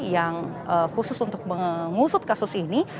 yang khusus untuk mengusut kasus ini